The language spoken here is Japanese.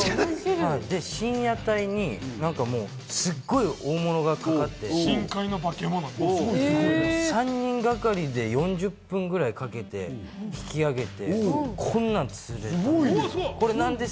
で、深夜帯にすごく大物が揚がって、３人がかりで４０分くらいかけて引き揚げて、こんなん釣れて。